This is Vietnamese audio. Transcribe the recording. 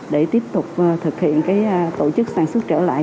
để tiếp tục thực hiện tổ chức sản xuất trở lại